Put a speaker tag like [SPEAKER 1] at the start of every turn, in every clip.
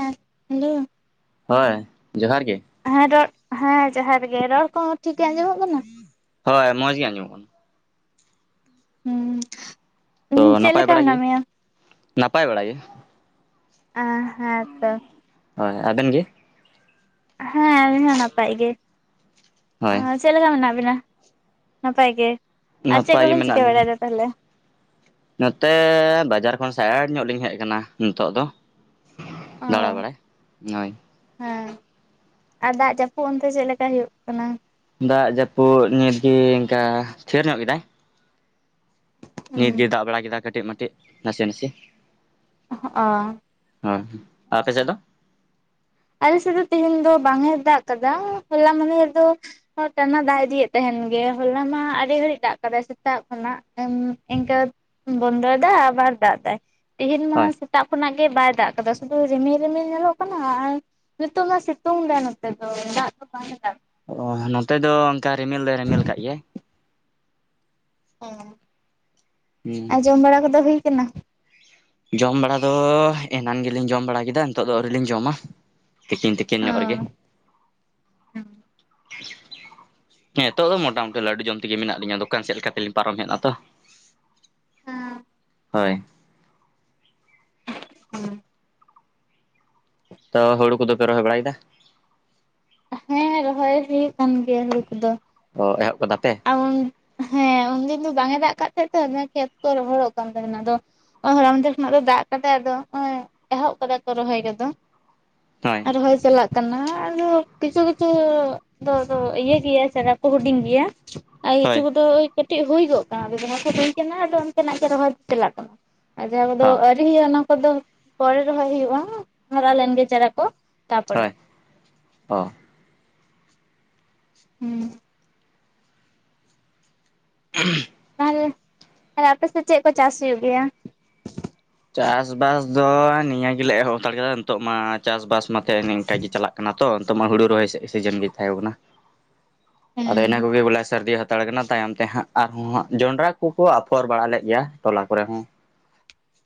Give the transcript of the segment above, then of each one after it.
[SPEAKER 1] Hello [inaudible]
[SPEAKER 2] ᱦᱳᱭ ᱡᱚᱦᱟᱨ ᱜᱮ
[SPEAKER 1] ᱦᱮᱸ ᱫᱟ ᱦᱮᱸ ᱡᱚᱦᱟᱨ ᱜᱮ ᱨᱚᱲ ᱠᱚ ᱦᱚᱸ ᱴᱷᱤᱠ ᱜᱮ ᱟᱸᱡᱚᱢᱚᱜ ᱠᱟᱱᱟ?
[SPEAKER 2] ᱦᱳᱭ ᱢᱚᱡᱽ ᱜᱮ ᱟᱸᱡᱚᱜ ᱠᱟᱱᱟ
[SPEAKER 1] ᱦᱩᱸ
[SPEAKER 2] ᱛᱚ
[SPEAKER 1] ᱪᱮᱫ
[SPEAKER 2] ᱱᱟᱯᱟᱭ
[SPEAKER 1] ᱞᱮᱠᱟ
[SPEAKER 2] ᱵᱟᱲᱟ ᱜᱮ
[SPEAKER 1] ᱢᱮᱱᱟᱜ ᱢᱮᱭᱟ?
[SPEAKER 2] ᱱᱟᱯᱟᱭ ᱵᱟᱲᱟ ᱜᱮ
[SPEAKER 1] ᱟ ᱦᱮᱸ ᱛᱚ
[SPEAKER 2] ᱦᱳᱭ ᱟᱵᱮᱱ ᱜᱮ
[SPEAKER 1] ᱦᱮᱸ ᱟᱹᱞᱤ ᱦᱚᱸ ᱱᱟᱯᱟᱭ ᱜᱮ
[SPEAKER 2] ᱦᱳᱭ
[SPEAKER 1] ᱪᱮᱫ ᱞᱮᱠᱟ ᱢᱮᱱᱟᱜ ᱵᱤᱱᱟ ᱱᱟᱯᱟᱭ ᱜᱮ ᱟᱨ ᱪᱮᱫ
[SPEAKER 2] ᱱᱟᱯᱟᱭ ᱜᱮ
[SPEAKER 1] ᱠᱚᱵᱮᱱ ᱪᱤᱠᱟᱹ
[SPEAKER 2] ᱢᱮᱱᱟᱜ ᱞᱤᱧᱟᱹ
[SPEAKER 1] ᱵᱟᱲᱟᱭᱮᱫᱟ ᱛᱟᱦᱚᱞᱮ?
[SPEAKER 2] ᱱᱚᱛᱮ ᱵᱟᱡᱟᱨ ᱠᱷᱚᱱ ᱥᱟᱭᱟᱴ ᱧᱚᱜ ᱞᱤᱧ ᱦᱮᱡ ᱟᱠᱟᱱᱟ ᱱᱤᱛᱚᱜ ᱫᱚ
[SPEAKER 1] ᱚ
[SPEAKER 2] ᱫᱟᱲᱟ ᱵᱟᱲᱟᱭ ᱦᱳᱭ
[SPEAKER 1] ᱦᱮᱸ ᱟᱨ ᱫᱟᱜ ᱡᱟᱯᱩᱫ ᱚᱱᱛᱮ ᱪᱮᱫ ᱞᱮᱠᱟ ᱦᱩᱭᱩᱜ ᱠᱟᱱᱟ?
[SPEAKER 2] ᱫᱟᱜ ᱡᱟᱯᱩᱫ ᱱᱤᱫᱜᱤ ᱚᱱᱠᱟ ᱛᱷᱤᱨ ᱧᱚᱜ ᱠᱮᱫᱟᱭ ᱱᱤᱛ ᱜᱮᱭ ᱫᱟᱜ ᱵᱟᱲᱟ ᱠᱮᱫᱟ ᱠᱟᱹᱴᱤᱡ ᱢᱟᱴᱤᱡ ᱱᱟᱥᱮ ᱱᱟᱥᱮ
[SPEAKER 1] ᱚ
[SPEAKER 2] ᱦᱮᱸ ᱟᱨ ᱟᱯᱮ ᱥᱮᱫ ᱫᱚ
[SPEAKER 1] ᱟᱞᱮᱥᱮᱫ ᱫᱚ ᱛᱮᱦᱤᱧ ᱫᱚ ᱵᱟᱝ ᱮ ᱫᱟᱜ ᱠᱟᱫᱟ ᱦᱚᱞᱟ ᱢᱟᱫᱷᱮᱨ ᱨᱮᱫᱚ ᱴᱟᱱᱟ ᱫᱟᱜ ᱤᱫᱤᱭᱮᱫ ᱛᱟᱦᱮᱱ ᱜᱮ ᱦᱚᱞᱟ ᱢᱟ ᱟᱹᱰᱤ ᱜᱷᱟᱹᱲᱤᱡ ᱫᱟᱜ ᱠᱟᱫᱟᱭ ᱥᱮᱛᱟᱜ ᱠᱷᱚᱱᱟᱜ ᱤᱱᱠᱟᱹ ᱵᱚᱱᱫᱚᱭᱮᱫᱟᱭ ᱟᱵᱟᱨ ᱫᱟᱜ ᱫᱟᱭ ᱛᱤᱦᱮᱧ ᱢᱟ
[SPEAKER 2] ᱦᱳᱭ
[SPEAKER 1] ᱥᱮᱛᱟᱜ ᱠᱷᱚᱱᱟᱜ ᱜᱮ ᱵᱟᱭ ᱫᱟᱜ ᱟᱠᱟᱫᱟ ᱥᱩᱫᱷᱩ ᱨᱤᱢᱤᱞ ᱨᱤᱢᱤᱞ ᱧᱮᱞᱚᱜ ᱠᱟᱱᱟ ᱟᱨ ᱱᱤᱛᱚᱜ ᱢᱟ ᱥᱤᱛᱩᱝ ᱫᱟᱭ ᱱᱚᱛᱮ ᱫᱚ ᱫᱟᱜ ᱫᱚ ᱵᱟᱝ ᱮ ᱫᱟᱜ ᱫᱟ
[SPEAKER 2] ᱚ ᱱᱚᱛᱮ ᱫᱚ ᱚᱱᱠᱟ ᱨᱤᱢᱤᱞ ᱫᱚᱭ ᱨᱤᱢᱮᱞ ᱠᱟᱜ ᱜᱮᱭᱟᱭ
[SPEAKER 1] ᱚ
[SPEAKER 2] ᱦᱮᱸ
[SPEAKER 1] ᱡᱚᱢ ᱵᱟᱲᱟ ᱠᱚᱫᱚ ᱦᱩᱭ ᱟᱠᱟᱱᱟ
[SPEAKER 2] ᱡᱚᱢ ᱵᱟᱲᱟ ᱫᱚ ᱮᱱᱟᱱ ᱜᱮᱞᱤᱧ ᱡᱚᱢ ᱵᱟᱲᱟ ᱠᱮᱫᱟ ᱱᱤᱛᱚᱜ ᱫᱚ ᱟᱹᱣᱨᱤ ᱞᱤᱧ ᱡᱚᱢᱟ ᱛᱤᱠᱤᱱ ᱛᱤᱠᱤᱱ ᱧᱚᱜ ᱨᱮᱜᱮ
[SPEAKER 1] ᱚ
[SPEAKER 2] ᱦᱮᱸ [inaudible] ᱦᱮᱸ ᱱᱤᱛᱚᱜ ᱫᱚ ᱢᱚᱴᱟᱢᱩᱴᱤ ᱞᱟᱹᱰᱩ ᱡᱚᱢ ᱛᱮᱜᱮ ᱢᱮᱱᱟᱜ ᱞᱤᱧᱟ ᱫᱚᱠᱟᱱ ᱥᱮᱫ ᱞᱮᱠᱟ ᱛᱮᱞᱤᱧ ᱯᱟᱨᱚᱢ ᱦᱮᱡᱱᱟ ᱛᱚ ᱦᱳᱭ
[SPEAKER 1] ᱦᱮᱸ
[SPEAKER 2] ᱛᱚ ᱦᱩᱲᱩ ᱠᱚ ᱫᱚ ᱯᱮ ᱨᱚᱦᱚᱭ ᱵᱟᱲᱟᱭᱮᱫᱟ
[SPEAKER 1] ᱚ ᱦᱮᱸ ᱨᱚᱦᱚᱭ ᱦᱩᱭᱩᱜ ᱠᱟᱱ ᱜᱮᱭᱟ ᱦᱩᱲᱩ ᱠᱚᱫᱚ
[SPEAKER 2] ᱚ ᱮᱦᱚᱵ ᱠᱟᱫᱟ ᱯᱮ
[SPEAKER 1] ᱩᱱ ᱦᱮᱸ ᱩᱱᱫᱤᱱ ᱫᱚ ᱵᱟᱝ ᱮ ᱫᱟᱜ ᱠᱟᱫ ᱛᱟᱦᱮᱸ ᱠᱷᱮᱛ ᱠᱚ ᱨᱚᱦᱚᱲᱚᱜ ᱠᱟᱱ ᱛᱟᱦᱮᱸᱱᱟ ᱟᱫᱚ ᱦᱚᱨᱟ ᱢᱟᱸᱫᱮᱨ ᱠᱷᱚᱱᱟᱜ ᱫᱚ ᱫᱟᱜ ᱠᱟᱫᱟᱭ ᱟᱫᱚ ᱮᱦᱚᱵ ᱠᱟᱫᱟ ᱠᱚ ᱨᱚᱦᱚᱭ ᱠᱚᱫᱚ᱾
[SPEAKER 2] ᱦᱳᱭ
[SPEAKER 1] ᱨᱚᱦᱚᱭ ᱪᱟᱞᱟᱜ ᱠᱟᱱᱟ ᱟᱫᱚ ᱠᱤᱪᱷᱩ ᱠᱤᱪᱷᱩ ᱫᱚ ᱫᱚ ᱤᱭᱟᱹ ᱜᱮᱭᱟ ᱪᱟᱜᱟ ᱠᱚ ᱦᱩᱰᱤᱧ ᱜᱮᱭᱟ ᱟᱨ ᱠᱤᱪᱷᱩ
[SPEAKER 2] ᱦᱳᱭ
[SPEAKER 1] ᱠᱚᱫᱚᱭ ᱠᱟᱹᱴᱤᱡ ᱦᱩᱭ ᱜᱚᱜ ᱠᱟᱱᱟ ᱵᱮᱵᱷᱟ ᱠᱚ ᱦᱩᱭ ᱠᱟᱱᱟ ᱟᱫᱚ ᱚᱱᱛᱮᱱᱟᱜ ᱜᱮ ᱨᱚᱦᱚᱭ ᱪᱟᱞᱟᱜ ᱠᱟᱱᱟ᱾ ᱟᱨ ᱡᱟᱦᱟᱸ ᱠᱚᱫᱚ
[SPEAKER 2] ᱦᱚᱸ
[SPEAKER 1] ᱟᱹᱨᱤ ᱦᱩᱭᱩᱜᱼᱟ ᱚᱱᱟ ᱠᱚᱫᱚ ᱯᱚᱨᱮ ᱨᱚᱦᱚᱭ ᱦᱩᱭᱩᱜᱼᱟ ᱦᱟᱨᱟ ᱞᱮᱱᱜᱮ ᱪᱟᱨᱟ ᱠᱚ᱾ ᱛᱟᱯᱚᱨᱮ
[SPEAKER 2] ᱦᱳᱭ ᱚ
[SPEAKER 1] ᱦᱩᱸ [inaudible]
[SPEAKER 2] [unintelligible]
[SPEAKER 1] ᱦᱸ ᱟᱯᱮᱥᱮᱫ ᱪᱮᱫ ᱠᱚ ᱪᱟᱥ ᱦᱩᱭᱩᱜ ᱜᱮᱭᱟ?
[SPEAKER 2] ᱪᱟᱥᱵᱟᱥ ᱫᱚ ᱱᱤᱭᱟᱹ ᱜᱮᱞᱮ ᱮᱦᱚᱵ ᱦᱟᱛᱟᱲ ᱠᱟᱫᱟ ᱱᱤᱛᱚᱜ ᱢᱟ ᱪᱟᱥᱵᱟᱥ ᱱᱚᱛᱮ ᱱᱤᱝᱠᱟᱜ ᱜᱮ ᱪᱟᱞᱟᱜ ᱠᱟᱱᱟ ᱛᱚ ᱱᱤᱛᱚᱜ ᱢᱟ ᱦᱩᱲᱩ ᱨᱚᱦᱚᱭ ᱥᱮᱜᱽ ᱥᱤᱡᱤᱱ ᱜᱮ ᱛᱟᱦᱮᱸᱭ ᱠᱟᱱᱟ ᱟᱫᱚ ᱤᱱᱟᱹ
[SPEAKER 1] ᱦᱮᱸ
[SPEAKER 2] ᱠᱚᱜᱤ ᱵᱚᱞ ᱥᱟᱨᱫᱤ ᱦᱟᱛ ᱯᱟᱲᱜᱱᱟ ᱛᱟᱭᱚᱢ ᱛᱮ ᱦᱟᱸᱜ ᱟᱨᱦᱚᱸ ᱦᱟᱸᱜ ᱡᱚᱸᱰᱨᱟ ᱠᱚᱠᱚ ᱟᱯᱷᱚᱨ ᱵᱟᱲᱟ ᱞᱮᱫ ᱜᱮᱭᱟ ᱴᱚᱞᱟ ᱠᱚᱨᱮ ᱦᱚᱸ᱾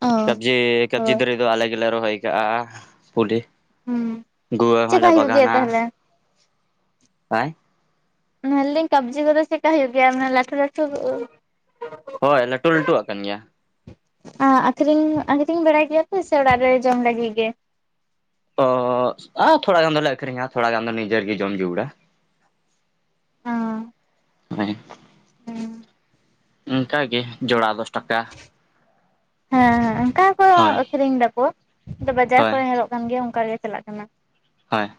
[SPEAKER 1] ᱚ
[SPEAKER 2] ᱠᱟᱵᱽᱡᱤ ᱠᱟᱵᱽᱡᱤ
[SPEAKER 1] ᱦᱳᱭ
[SPEAKER 2] ᱫᱟᱨᱮ ᱫᱚ ᱟᱞᱮ ᱜᱮᱞᱮ ᱨᱚᱦᱚᱭ ᱟᱠᱟᱫᱟ ᱯᱩᱞᱤ
[SPEAKER 1] ᱦᱩᱸ
[SPEAKER 2] ᱜᱩᱣᱟᱹ
[SPEAKER 1] ᱪᱮᱠᱟ
[SPEAKER 2] ᱦᱚᱸᱞᱮ
[SPEAKER 1] ᱦᱩᱭᱩᱜ ᱜᱮᱭᱟ
[SPEAKER 2] ᱵᱟᱜᱟᱱᱟ,
[SPEAKER 1] ᱛᱟᱦᱚᱞᱮ
[SPEAKER 2] [unintelligible]
[SPEAKER 1] ᱢᱮᱱ ᱞᱤᱧ ᱠᱟᱹᱵᱽᱡᱤ ᱠᱚᱫᱚ ᱪᱮᱠᱟ ᱦᱩᱭᱩᱜ ᱜᱮᱭᱟᱮ? ᱢᱟᱱᱮ ᱞᱟᱹᱴᱩ ᱞᱟᱹᱴᱩ?
[SPEAKER 2] ᱦᱳᱭ ᱞᱟᱹᱴᱩ ᱞᱟᱹᱴᱩ ᱣᱟᱜ ᱠᱟᱱ ᱜᱮᱭᱟ᱾
[SPEAKER 1] ᱟᱸ ᱟᱠᱷᱨᱤᱧ ᱟᱹᱷᱨᱤᱧ ᱵᱟᱲᱟᱭ ᱜᱮᱭᱟ ᱯᱮ ᱥᱮ ᱚᱲᱟᱜ ᱨᱮ ᱡᱚᱢ ᱞᱟᱹᱜᱤᱫ ᱜᱮ?
[SPEAKER 2] ᱚᱻ ᱟᱸ ᱛᱷᱚᱲᱟ ᱜᱟᱱ ᱫᱚᱞᱮ ᱟᱠᱷᱨᱤᱧᱟ ᱛᱷᱚᱲᱟ ᱜᱟᱱ ᱫᱚ ᱱᱤᱡᱮᱨ ᱜᱮ ᱡᱚᱢ ᱡᱩᱣᱲᱟ᱾
[SPEAKER 1] ᱦᱮᱸ
[SPEAKER 2] ᱢᱮ [unintelligible] ᱚᱝᱠᱟ ᱜᱮ ᱡᱚᱲᱟ ᱫᱚᱥ ᱴᱟᱠᱟ᱾
[SPEAKER 1] ᱦᱮᱸ ᱦᱮᱸ ᱚᱱᱠᱟ ᱠᱚ
[SPEAKER 2] ᱦᱳᱭ
[SPEAKER 1] ᱟᱠᱷᱨᱤᱧ ᱫᱟᱠᱚ ᱵᱟᱡᱟᱨ
[SPEAKER 2] ᱦᱳᱭ
[SPEAKER 1] ᱠᱚᱨᱮ ᱧᱮᱞᱚᱜ ᱠᱟᱱ ᱜᱮᱭᱟ ᱚᱱᱠᱟ ᱜᱮ ᱪᱟᱞᱟᱜ ᱠᱟᱱᱟ᱾
[SPEAKER 2] ᱦᱳᱭ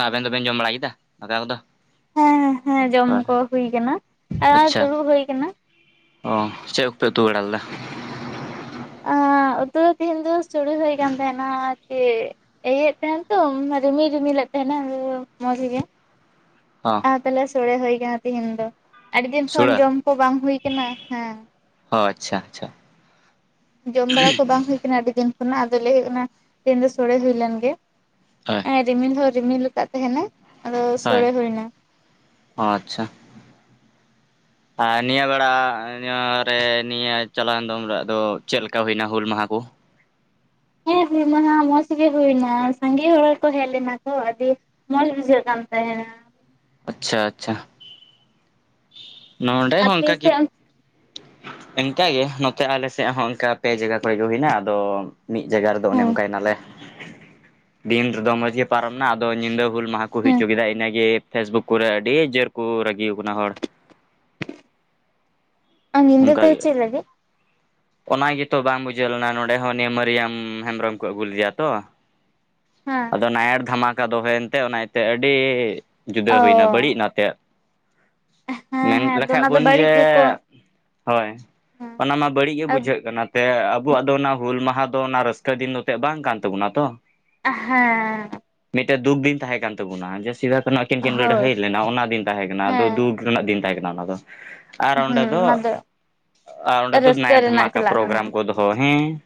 [SPEAKER 2] ᱟᱵᱮᱱ ᱫᱚᱵᱮᱱ ᱡᱚᱢ ᱵᱟᱲᱟᱭ ᱠᱮᱫᱟ ᱫᱟᱠᱟ ᱠᱚᱫᱚ? [inaudible]
[SPEAKER 1] ᱦᱮᱸ ᱦᱮ ᱦᱮᱸ ᱡᱚᱢ
[SPEAKER 2] ᱦᱳᱭ
[SPEAKER 1] ᱠᱚ ᱦᱩᱭ ᱟᱠᱟᱱᱟ ᱟᱨ
[SPEAKER 2] ᱟᱪᱪᱷᱟ
[SPEAKER 1] ᱛᱩᱲᱩᱜ ᱦᱩᱭ ᱠᱟᱱᱟ᱾
[SPEAKER 2] ᱚ ᱪᱮᱫ ᱩᱯᱮ ᱩᱛᱩ ᱵᱟᱲᱟ ᱞᱮᱫᱟ?
[SPEAKER 1] ᱟ ᱩᱛᱩ ᱫᱚ ᱛᱮᱦᱮᱧ ᱫᱚ ᱪᱩᱲᱩ ᱦᱩᱭ ᱠᱟᱱ ᱛᱟᱦᱮᱱᱟ ᱟᱨ ᱪᱮ ᱤᱭᱟᱹᱭᱮᱫ ᱛᱟᱦᱮᱱ ᱛᱚ ᱨᱤᱢᱤᱞ ᱨᱤᱢᱤᱞᱮᱫ ᱛᱟᱦᱮᱱᱟ ᱟᱫᱚ ᱢᱚᱡᱽ ᱜᱮ᱾
[SPEAKER 2] ᱦᱚᱸ
[SPEAKER 1] ᱛᱟᱦᱞᱮ ᱥᱳᱚᱲᱮ ᱦᱩᱭ ᱟᱠᱟᱱᱟ ᱛᱮᱦᱮᱱ ᱫᱚ, ᱟᱹᱰᱤ ᱫᱤᱱ ᱠᱷᱚᱱ
[SPEAKER 2] ᱥᱩᱲᱟᱹ
[SPEAKER 1] ᱡᱚᱢ ᱠᱚ ᱵᱟᱝ ᱦᱩᱭ ᱠᱟᱱᱟ ᱦᱮᱸ ᱾
[SPEAKER 2] ᱚ ᱟᱪᱷᱟ ᱟᱪᱪᱷᱟ
[SPEAKER 1] ᱡᱚᱢ ᱵᱟᱲᱟ ᱠᱚ ᱵᱟᱝ ᱦᱩᱭ ᱠᱟᱱᱟ ᱟᱹᱰᱤ ᱫᱤᱱ ᱠᱷᱚᱱᱟᱜ ᱟᱫᱚ ᱞᱟᱹᱭ ᱦᱩᱭᱩᱜ ᱠᱟᱱᱟ ᱛᱮᱦᱮᱱ ᱫᱚ ᱥᱳᱲᱮ ᱦᱩᱭ ᱞᱮᱱᱜᱮ᱾
[SPEAKER 2] ᱦᱳᱭ
[SPEAKER 1] ᱮᱸ ᱨᱤᱢᱤᱞ ᱦᱚᱸ ᱨᱤᱢᱤᱞ ᱟᱠᱟᱫ ᱛᱟᱦᱮᱱᱟ ᱟᱫᱚ
[SPEAKER 2] ᱦᱳᱭ
[SPEAKER 1] ᱥᱚᱲᱮ ᱦᱩᱭᱱᱟ᱾
[SPEAKER 2] ᱚ ᱟᱪᱷᱟ,
[SPEAKER 1] [inaudible]
[SPEAKER 2] ᱟᱨ ᱱᱤᱭᱟᱹ ᱵᱮᱲᱟᱮ ᱱᱤᱭᱟᱹ ᱨᱮ ᱪᱟᱞᱟᱣ ᱮᱱᱫᱚ ᱩᱱ ᱦᱤᱞᱳᱜ ᱫᱚ ᱪᱮᱫᱞᱮᱠᱟ ᱦᱩᱭᱱᱟ ᱦᱩᱞ ᱢᱟᱦᱟ ᱠᱚ?
[SPEAKER 1] ᱦᱮᱸ ᱦᱩᱞ ᱢᱟᱦᱟ ᱢᱚᱡᱽ ᱜᱮ ᱦᱩᱭ ᱮᱱᱟ ᱥᱟᱸᱜᱮ ᱦᱚᱲ ᱜᱮᱠᱚ ᱦᱮᱡᱽ ᱞᱤᱱᱟ ᱠᱚ ᱟᱰᱤ ᱢᱚᱸᱡᱽ ᱵᱩᱡᱷᱟᱹᱜ ᱠᱟᱱ ᱛᱟᱦᱮᱱᱟ᱾
[SPEAKER 2] ᱟᱪᱷᱟ ᱟᱪᱷᱟ ᱱᱚᱰᱮ ᱦᱚᱸ
[SPEAKER 1] ᱟᱯᱮ
[SPEAKER 2] ᱚᱱᱠᱟᱜ ᱜᱤᱯ
[SPEAKER 1] ᱥᱮᱫ
[SPEAKER 2] ᱤᱱᱠᱟᱜᱮ ᱱᱚᱛᱮ ᱦᱚᱸ ᱟᱞᱮ ᱥᱮᱫ ᱦᱚᱸ ᱚᱱᱠᱟ ᱯᱮ ᱡᱟᱭᱜᱟ ᱠᱚᱨᱮ ᱜᱮ ᱦᱩᱭᱱᱟ ᱟᱫᱚ ᱢᱤᱫ ᱡᱟᱭᱜᱟ ᱨᱮᱫᱚ ᱚᱱᱮ
[SPEAKER 1] ᱦᱮᱸ
[SPEAKER 2] ᱚᱱᱠᱟᱭᱮᱱᱟᱞᱮ ᱫᱤᱱ ᱨᱮᱫᱚ ᱢᱚᱡᱽ ᱜᱮ ᱯᱟᱨᱚᱢᱱᱟ ᱟᱫᱚ ᱧᱤᱫᱟᱹ ᱦᱩᱞ ᱢᱟᱦᱟ ᱠᱚ ᱦᱩᱭ
[SPEAKER 1] ᱦᱮᱸ
[SPEAKER 2] ᱚᱪᱚ ᱠᱮᱫᱟ ᱤᱱᱟᱹᱜᱮ ᱯᱷᱮᱥᱵᱩᱠ ᱠᱚᱨᱮ ᱟᱹᱰᱤ ᱡᱳᱨ ᱠᱚ ᱨᱟᱹᱜᱤ ᱟᱠᱟᱱᱟ ᱦᱚᱲ ᱾
[SPEAKER 1] ᱟᱸ ᱧᱤᱸᱫᱟᱹ ᱫᱚ ᱪᱮᱜ ᱞᱟᱜᱤᱜ?
[SPEAKER 2] ᱚ ᱜᱮᱛᱚ ᱵᱟᱝ ᱵᱩᱡᱷᱟᱹᱣ ᱞᱮᱱᱟ ᱱᱚᱸᱰᱮ ᱦᱚᱸ ᱱᱤᱢᱟᱹᱨᱤᱭᱟᱢ ᱦᱮᱢᱵᱨᱚᱢ ᱠᱚ ᱟᱹᱜᱩ ᱞᱮᱫᱮᱭᱟ ᱛᱚ᱾
[SPEAKER 1] ᱦᱮᱸ
[SPEAKER 2] ᱟᱫᱚ ᱱᱟᱭᱤᱨ ᱫᱷᱟᱢᱟᱠᱟ ᱫᱚᱦᱚᱭᱮᱱᱛᱮ ᱚᱱᱟ ᱤᱭᱟᱹᱛᱮ ᱟᱹᱰᱤ ᱡᱩᱫᱟᱹ
[SPEAKER 1] ᱚ
[SPEAKER 2] ᱦᱩᱭᱱᱟ ᱵᱟᱹᱲᱤᱡ ᱱᱟᱛᱮᱫ
[SPEAKER 1] ᱦᱮᱸ
[SPEAKER 2] ᱢᱮᱱ
[SPEAKER 1] ᱦᱮᱸ ᱟᱫᱚ
[SPEAKER 2] ᱞᱮᱠᱷᱟᱡ
[SPEAKER 1] ᱚᱱᱟ
[SPEAKER 2] ᱵᱚᱱ
[SPEAKER 1] ᱫᱚ ᱵᱟᱹᱲᱤᱡ
[SPEAKER 2] ᱡᱮ
[SPEAKER 1] ᱜᱮᱠᱚ
[SPEAKER 2] ᱦᱳᱭ
[SPEAKER 1] ᱦᱮᱸ
[SPEAKER 2] ᱚᱱᱟ ᱢᱟ ᱵᱟᱹᱲᱤᱡ ᱜᱮ
[SPEAKER 1] ᱦᱮᱸ
[SPEAKER 2] ᱵᱩᱡᱷᱟᱹᱜ ᱠᱟᱱᱟ ᱛᱮ ᱟᱵᱚᱣᱟᱜ ᱫᱚ ᱚᱱᱟ ᱦᱩᱞ ᱢᱟᱦᱟ ᱫᱚ ᱚᱱᱟ ᱨᱟᱹᱥᱠᱟᱹ ᱫᱤᱱ ᱮᱛᱮ ᱵᱟᱝ ᱠᱟᱱ ᱛᱟᱵᱚᱱᱟ ᱛᱚ ᱾
[SPEAKER 1] ᱦᱮᱸ
[SPEAKER 2] ᱢᱤᱫᱴᱟᱹᱜ ᱫᱩᱠ ᱫᱤᱱ ᱛᱟᱦᱮᱸ ᱠᱟᱱ ᱛᱟᱵᱚᱱᱟ ᱡᱮ ᱥᱤᱫᱟᱹ ᱠᱟᱹᱱᱳ ᱟᱹᱠᱤᱱ ᱠᱤᱱ
[SPEAKER 1] ᱦᱳᱭ
[SPEAKER 2] ᱞᱟᱹᱲᱦᱟᱹᱭ ᱞᱮᱱᱟ ᱚᱱᱟ ᱫᱤᱱ ᱛᱟᱦᱮᱸ ᱠᱟᱱᱟ ᱟᱫᱚ
[SPEAKER 1] ᱦᱮᱸ
[SPEAKER 2] ᱫᱩᱠ ᱨᱮᱱᱟᱜ ᱫᱤᱱ ᱛᱟᱦᱮᱸ ᱠᱟᱱᱟ ᱚᱱᱟ ᱫᱚ ᱟᱨ ᱚᱸᱰᱮ ᱫᱚ
[SPEAKER 1] ᱦᱩᱸ ᱚᱱᱟ
[SPEAKER 2] ᱚᱸᱰᱮ ᱫᱚ
[SPEAKER 1] ᱨᱟᱹᱥᱠᱟᱹ
[SPEAKER 2] ᱱᱟᱮᱴ
[SPEAKER 1] ᱨᱮᱱᱟᱜ
[SPEAKER 2] ᱫᱷᱢᱟᱠᱟ
[SPEAKER 1] ᱪᱟᱞᱟᱜ ᱠᱟᱱᱟ
[SPEAKER 2] ᱯᱨᱳᱜᱨᱟᱢ ᱠᱚ ᱫᱚᱦᱚ ᱦᱮᱸ ᱾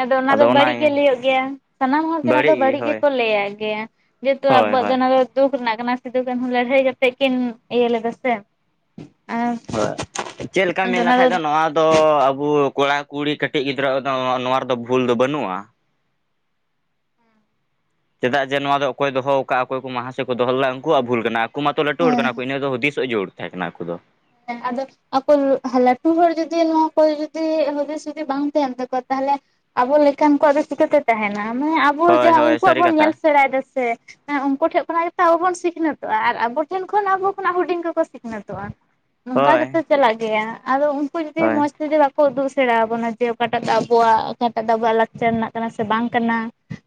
[SPEAKER 1] ᱟᱫᱚ ᱚᱱᱟ ᱫᱚ ᱵᱟᱹᱲᱤᱡ ᱜᱮ ᱞᱟᱹᱭᱟᱹᱜ ᱜᱮᱭᱟ ᱥᱟᱱᱟᱢ ᱦᱚᱲᱜᱮ ᱚᱱᱟ ᱫᱚ
[SPEAKER 2] ᱜᱮ
[SPEAKER 1] ᱵᱟᱹᱲᱤᱡ
[SPEAKER 2] ᱦᱳᱭ
[SPEAKER 1] ᱜᱮᱠᱚ ᱞᱟᱹᱭᱟᱜ ᱜᱮᱭᱟ ᱾ ᱡᱮᱦᱮᱛᱩ
[SPEAKER 2] ᱦᱳᱭ
[SPEAKER 1] ᱟᱵᱚᱣᱟᱜ ᱫᱚ
[SPEAKER 2] ᱦᱳᱭ
[SPEAKER 1] ᱚᱱᱟ ᱫᱩᱠ ᱨᱮᱱᱟᱜ ᱠᱟᱱᱟ ᱥᱤᱫᱩ ᱠᱟᱹᱱᱦᱩ ᱞᱟᱹᱲᱦᱟᱹᱭ ᱠᱟᱛᱮᱜ ᱠᱤᱱ ᱤᱭᱟᱹ ᱞᱮᱫᱟ ᱥᱮ ᱾
[SPEAKER 2] ᱦᱳᱭ ᱪᱮᱫ ᱞᱮᱠᱟᱢ ᱢᱮᱱ ᱞᱮᱠᱷᱟᱡ ᱫᱚ ᱱᱚᱣᱟ ᱫᱚ ᱟᱵᱚ ᱠᱚᱲᱟ ᱠᱩᱲᱤ ᱠᱟᱹᱴᱤᱡ ᱜᱤᱫᱽᱨᱟᱹ ᱫᱚ ᱱᱚᱣᱟ ᱨᱮᱫᱚ ᱵᱷᱩᱞ ᱫᱚ ᱵᱟᱹᱱᱩᱜᱼᱟ ᱪᱮᱫᱟᱜ ᱡᱮ ᱱᱚᱣᱟ ᱫᱚ ᱚᱠᱚᱭ ᱫᱚᱦᱚᱣ ᱟᱠᱟᱜᱼᱟ ᱚᱠᱚᱭ ᱠᱚ ᱢᱟᱦᱟᱥᱚᱭ ᱠᱚ ᱫᱚᱦᱚ ᱞᱮᱫᱟ ᱩᱱᱠᱩᱣᱟᱜ ᱵᱷᱩᱞ ᱠᱟᱱᱟ ᱩᱱᱠᱩ ᱢᱟᱛᱚ ᱞᱟᱹᱴᱩ ᱦᱚᱲ ᱠᱟᱱᱟ ᱠᱚ
[SPEAKER 1] ᱦᱮᱸ
[SPEAKER 2] ᱤᱱᱟᱹ ᱫᱚ ᱦᱩᱫᱤᱥᱚᱜ ᱡᱩᱲ ᱛᱟᱦᱮᱸ ᱠᱟᱱᱟ ᱟᱹᱠᱩ ᱫᱚ
[SPEAKER 1] ᱦᱮᱸ ᱟᱫᱚ ᱟᱠᱚ ᱞᱟᱹᱴᱩ ᱦᱚᱲ ᱡᱩᱫᱤ ᱱᱚᱣᱟ ᱠᱚ ᱡᱩᱫᱤ ᱦᱩᱫᱤᱥ ᱡᱩᱫᱤ ᱵᱟᱝ ᱛᱟᱦᱮᱱ ᱛᱟᱠᱚᱣᱟ ᱛᱟᱦᱚᱞᱮ ᱟᱵᱚ ᱞᱮᱠᱟᱱ ᱠᱚᱣᱟᱜ ᱫᱚ ᱪᱤᱠᱟᱹᱛᱮ ᱛᱮᱦᱮᱱᱟ ᱢᱮ ᱟᱵᱚ
[SPEAKER 2] ᱦᱳᱭ
[SPEAKER 1] ᱡᱟᱦᱟᱸ
[SPEAKER 2] ᱦᱳᱭ
[SPEAKER 1] ᱩᱱᱠᱩᱣᱟᱜ
[SPEAKER 2] ᱥᱟᱹᱨᱤ
[SPEAKER 1] ᱵᱚᱱ
[SPEAKER 2] ᱠᱟᱛᱷᱟ
[SPEAKER 1] ᱧᱮᱞ ᱥᱮᱬᱟᱭ ᱫᱟ ᱥᱮ ᱦᱮᱸ ᱩᱱᱠᱩ ᱴᱷᱮᱡ ᱠᱷᱚᱱᱟᱜ ᱜᱮᱛᱚ ᱟᱵᱚ ᱵᱚᱱ ᱥᱤᱠᱷᱱᱟᱹᱛᱚᱜᱼᱟ ᱟᱨ ᱟᱵᱚ ᱴᱷᱮᱱ ᱠᱷᱚᱱ ᱟᱵᱚ ᱠᱷᱚᱱᱟᱜ ᱦᱩᱰᱤᱧ ᱠᱚᱠᱚ ᱥᱤᱠᱷᱱᱟᱹᱛᱚᱜᱼᱟ ᱱᱚᱝᱠᱟ
[SPEAKER 2] ᱦᱳᱭ
[SPEAKER 1] ᱜᱮᱛᱚ ᱪᱟᱞᱟᱜ ᱜᱮᱭᱟ ᱟᱫᱚ ᱩᱱᱠᱩ ᱡᱩᱫᱤ
[SPEAKER 2] ᱦᱳᱭ
[SPEAKER 1] ᱢᱚᱸᱡᱽ ᱛᱮ ᱡᱮ ᱵᱷᱟᱵᱮ ᱠᱚ ᱩᱫᱩᱜ ᱥᱮᱲᱟᱣᱟ ᱵᱚᱱᱟ ᱡᱮ ᱚᱠᱟᱴᱟᱜ ᱫᱚ ᱟᱵᱚᱣᱟᱜ ᱚᱠᱟᱴᱟᱜ ᱫᱚ ᱟᱵᱚᱣᱟᱜ ᱞᱟᱠᱪᱟᱨ ᱨᱮᱱᱟᱜ ᱠᱟᱱᱟ ᱥᱮ ᱵᱟᱝ ᱠᱟᱱᱟ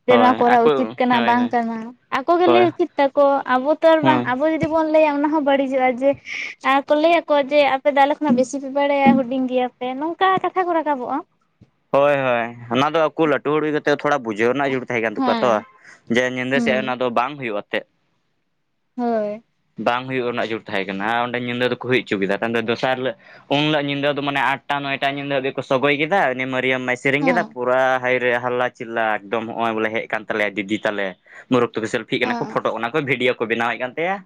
[SPEAKER 1] ᱡᱮ ᱱᱚᱣᱟ
[SPEAKER 2] ᱦᱳᱭ
[SPEAKER 1] ᱠᱚᱨᱟᱣ
[SPEAKER 2] ᱟᱠᱚ
[SPEAKER 1] ᱩᱪᱤᱛ ᱠᱟᱱᱟ
[SPEAKER 2] ᱦᱳᱭ
[SPEAKER 1] ᱵᱟᱝ
[SPEAKER 2] ᱦᱳᱭ
[SPEAKER 1] ᱠᱟᱱᱟ ᱟᱠᱚ ᱜᱮ ᱞᱟᱹᱭ
[SPEAKER 2] ᱦᱳᱭ
[SPEAKER 1] ᱩᱪᱤᱛ ᱛᱟᱠᱚ ᱟᱵᱚ ᱛᱚ ᱟᱨ ᱵᱟᱝ
[SPEAKER 2] ᱦᱳᱭ
[SPEAKER 1] ᱟᱵᱚ ᱡᱩᱫ ᱪᱮᱫ ᱵᱚᱱ ᱞᱟᱹᱭᱟ ᱚᱱᱟ ᱦᱚᱸ ᱵᱟᱹᱲᱤᱡᱚᱜᱼᱟ ᱡᱮ ᱟᱨ ᱠᱚ ᱞᱟᱹᱭᱟᱠᱚ ᱡᱮ ᱟᱯᱮ ᱫᱚ ᱟᱞᱮ ᱠᱷᱚᱱᱟᱜ ᱵᱮᱥᱤ ᱯᱮ ᱵᱟᱲᱟᱭᱟ ᱦᱩᱰᱤᱧ ᱜᱮᱭᱟᱯᱮ ᱱᱚᱝᱠᱟ ᱠᱟᱛᱷᱟ ᱠᱚ ᱨᱟᱠᱟᱵᱚᱜᱼᱟ
[SPEAKER 2] ᱦᱳᱭ ᱦᱳᱭ ᱚᱱᱟ ᱫᱚ ᱟᱠᱚ ᱞᱟᱹᱴᱩ ᱦᱚᱲ ᱦᱩᱭ ᱠᱟᱛᱮᱜ ᱛᱷᱚᱲᱟ ᱵᱩᱡᱷᱟᱹᱣ ᱨᱮᱱᱟᱜ ᱡᱩᱲ ᱛᱟᱦᱮᱸ ᱠᱟᱱ ᱛᱟᱠᱚᱣᱟ ᱛᱚ
[SPEAKER 1] ᱦᱮᱸ
[SPEAKER 2] ᱡᱮ ᱧᱤᱫᱟᱹ
[SPEAKER 1] ᱦᱩᱸ
[SPEAKER 2] ᱥᱮᱫ ᱚᱱᱟ ᱫᱚ ᱵᱟᱝ ᱦᱩᱭᱩᱜᱼᱟ ᱛᱮᱜ
[SPEAKER 1] ᱦᱳᱭ
[SPEAKER 2] ᱵᱟᱝ ᱦᱩᱭᱩᱜ ᱨᱮᱱᱟᱜ ᱡᱩᱲ ᱛᱟᱦᱮᱸ ᱠᱟᱱᱟ ᱚᱸᱰᱮ ᱧᱤᱫᱟᱹ ᱫᱚᱠᱚ ᱦᱩᱭ ᱩᱪᱩ ᱠᱮᱫᱟ [unintelligible] ᱫᱚᱥᱟᱨ ᱦᱤᱞᱳᱜ ᱩᱱ ᱦᱤᱞᱟᱹᱜ ᱧᱤᱫᱟᱹ ᱫᱚ ᱢᱟᱱᱮ ᱟᱴᱴᱟ ᱱᱚᱭᱴᱟ ᱧᱤᱫᱟᱹ ᱦᱟᱹᱵᱤᱡ ᱠᱚ ᱥᱚᱜᱚᱭ ᱠᱮᱫᱟ ᱩᱱᱤ ᱢᱟᱹᱨᱤᱭᱟᱹᱢ ᱢᱟᱭ ᱥᱮᱨᱮᱧ ᱠᱮᱫᱟ
[SPEAKER 1] ᱦᱮᱸ
[SPEAKER 2] ᱯᱩᱨᱟ ᱦᱟᱭ ᱨᱮ ᱦᱟᱞᱞᱟ ᱪᱤᱞᱞᱟ ᱮᱠᱫᱚᱢ ᱦᱚᱸᱜ-ᱚᱭ ᱵᱚᱞᱮ ᱦᱮᱡ ᱠᱟᱱ ᱛᱟᱞᱮᱭᱟ ᱰᱤᱡᱤ ᱛᱟᱞᱮ ᱢᱩᱨᱩᱠ ᱛᱚ ᱵᱤᱥᱟᱞ ᱯᱷᱤᱠ ᱠᱟᱱᱟ ᱠᱚ
[SPEAKER 1] ᱟᱸ
[SPEAKER 2] ᱯᱷᱳᱴᱚ ᱚᱱᱟ ᱠᱚ ᱵᱷᱤᱰᱤᱭᱳ ᱠᱚ ᱵᱮᱱᱟᱣᱟᱭ ᱠᱟᱱ ᱛᱟᱭᱟ᱾